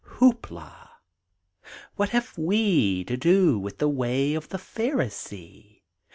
Houp la! What have we To do with the way Of the Pharisee?